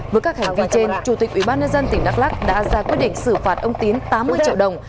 với các hành vi trên chủ tịch ubnd tỉnh đắk lắc đã ra quyết định xử phạt ông tín tám mươi triệu đồng